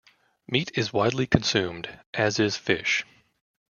Meat is widely consumed, as is fish.